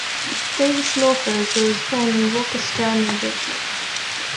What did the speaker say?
Davis Lawfers was born in Rochester, New York.